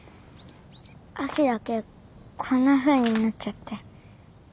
秋だけこんなふうになっちゃって